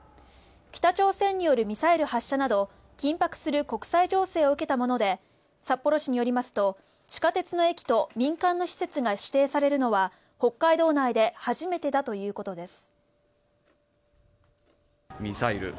北朝鮮によるミサイル発射など緊迫する国際情勢を受けたもので札幌市によりますと地下鉄の駅と民間の施設が指定されるのは、北海道内で初めてだということです。